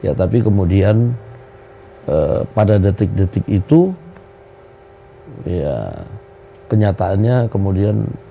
ya tapi kemudian pada detik detik itu ya kenyataannya kemudian